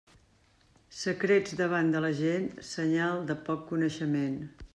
Secrets davant de la gent, senyal de poc coneixement.